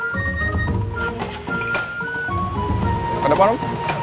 tidak ada om